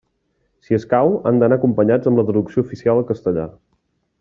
Si escau, han d'anar acompanyats amb la traducció oficial al castellà.